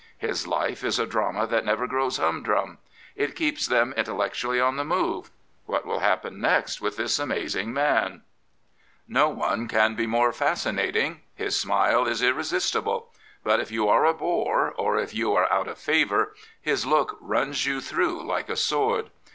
His life is a drama that never grows humdrum. It keeps them intel lectually on the move. What will happen next with this amazing man ? No one can be more fascinating. His smile is irre sistible. But if you are a bore, or if you are out of favour, his look runs you through like a sword.